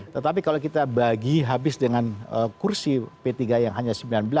tetapi kalau kita bagi habis dengan kursi p tiga yang hanya sembilan belas